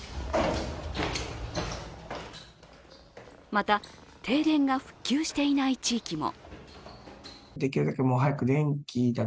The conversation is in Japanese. また、停電が復旧していない地域も。